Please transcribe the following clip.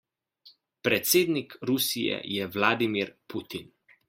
Predsednik Rusije je Vladimir Putin.